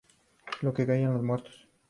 Lo que Callan los Muertos.